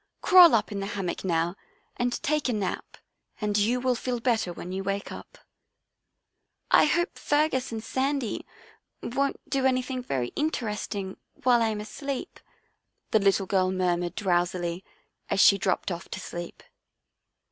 Crawl up in the hammock now and take a nap, and you will feel better when you wake up." " I hope Fergus and Sandy won't do any thing very interesting while I am asleep," the little girl murmured drowsily, as she dropped off to sleep.